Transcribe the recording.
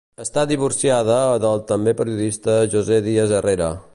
Està divorciada del també periodista José Díaz Herrera.